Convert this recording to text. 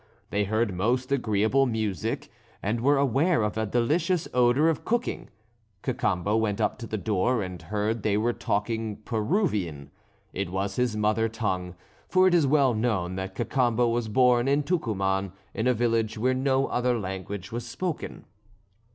They heard most agreeable music, and were aware of a delicious odour of cooking. Cacambo went up to the door and heard they were talking Peruvian; it was his mother tongue, for it is well known that Cacambo was born in Tucuman, in a village where no other language was spoken.